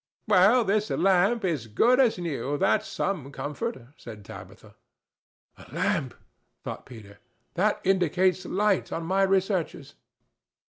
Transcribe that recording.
"Well, this lamp is as good as new. That's some comfort," said Tabitha. "A lamp!" thought Peter. "That indicates light on my researches."